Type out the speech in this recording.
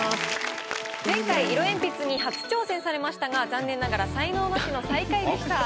前回色鉛筆に初挑戦されましたが残念ながら才能ナシの最下位でした。